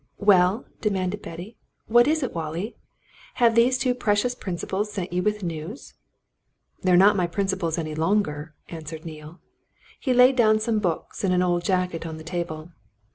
"Well?" demanded Betty. "What is it, Wallie? Have these two precious principals sent you with news?" "They're not my principals any longer," answered Neale. He laid down some books and an old jacket on the table.